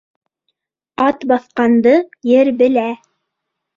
Ат баҫҡанды ер белә.